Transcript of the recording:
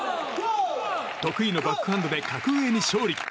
得意のバックハンドで格上に勝利。